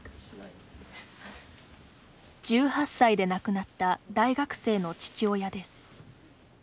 １８歳で亡くなった大学生の父親です。